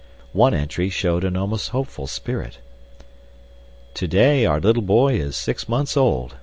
One entry showed an almost hopeful spirit. To day our little boy is six months old.